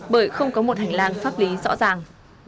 bởi không có một hành lang pháp lý rõ ràng